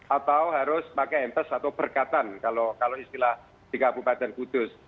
atau harus pakai empes atau berkatan kalau istilah di kabupaten kudus